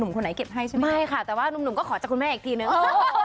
ไม่ค่ะแต่ว่านุ่มก็ขอจากคุณแม่อีกทีนึง